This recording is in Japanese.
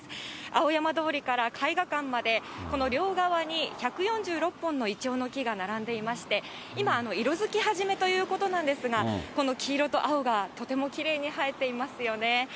青山通りからかいがかんまで、この両側に１４６本のイチョウの木が並んでいまして、今、色づき始めということなんですが、この黄色と青がとてもきれいに映えていますよね。